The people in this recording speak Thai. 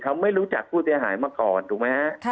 เขาไม่รู้จักผู้เสียหายมาก่อนถูกไหมฮะ